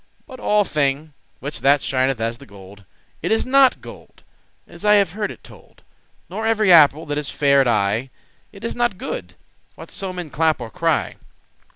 But all thing, which that shineth as the gold, It is not gold, as I have heard it told; Nor every apple that is fair at eye, It is not good, what so men clap* or cry.